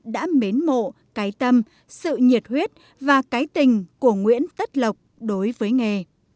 đã mến mộ cái tâm sự nhiệt huyết và cái tình của nguyễn tất lộc đối với nghề